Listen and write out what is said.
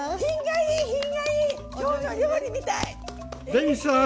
レミさん